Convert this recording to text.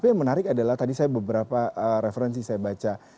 yang menarik adalah tadi beberapa referensi saya baca